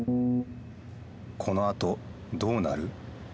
このあとどうなる？